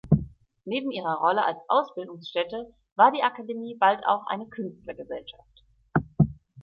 Neben ihrer Rolle als Ausbildungsstätte war die Akademie bald auch eine Künstlergesellschaft.